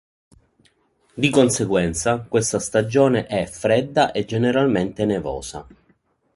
Di conseguenza questa stagione è fredda e generalmente nevosa.